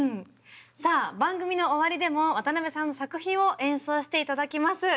さあ番組の終わりでも渡辺さんの作品を演奏して頂きます。